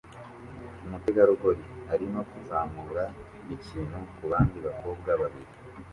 Umutegarugori arimo kuzamura ikintu kubandi bakobwa babiri